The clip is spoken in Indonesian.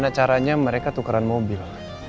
gimana caranya mereka tukeran mobil